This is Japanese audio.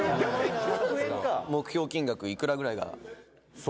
北山：目標金額いくらぐらいが。富澤：